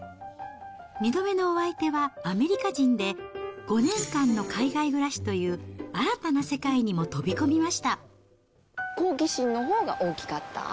２度目のお相手はアメリカ人で、５年間の海外暮らしという、好奇心のほうが大きかった。